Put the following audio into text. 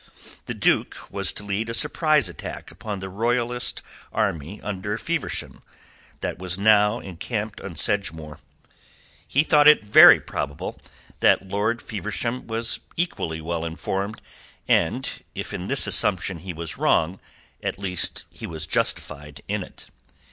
The Duke was to lead a surprise attack upon the Royalist army under Feversham that was now encamped on Sedgemoor. Mr. Blood assumed that Lord Feversham would be equally well informed, and if in this assumption he was wrong, at least he was justified of it.